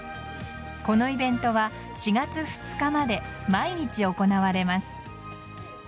このイベントは４月２日まで毎日行われます。